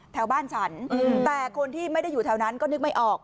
แถวบ้านฉันแต่คนที่ไม่ได้อยู่แถวนั้นก็นึกไม่ออก